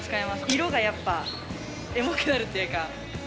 色がやっぱエモくなるっていうか。